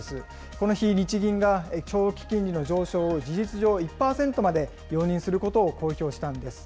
この日、日銀が長期金利の上昇を事実上１％まで容認することを公表したんです。